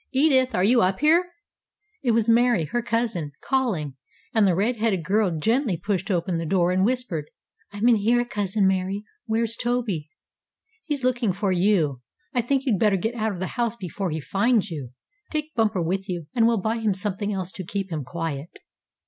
"Edith, are you up here?" It was Mary, her cousin, calling, and the red haired girl gently pushed open the door, and whispered. "I'm in here, cousin Mary. Where's Toby?" "He's looking for you. I think you'd better get out of the house before he finds you. Take Bumper with you, and we'll buy him something else to keep him quiet."